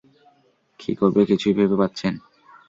কি করবে কিছুই ভেবে পাচ্ছেন।